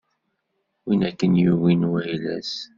Win akken yugi wayla-s.